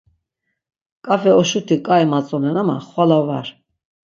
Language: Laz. Ǩafe oşuti ǩai matzonen ama xvala var.